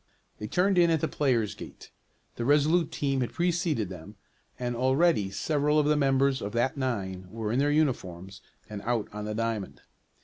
They turned in at the players' gate. The Resolute team had preceded them, and already several of the members of that nine were in their uniforms and out on the diamond.